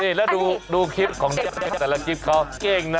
นี่แล้วดูคลิปของเจ๊แต่ละคลิปเขาเก่งนะ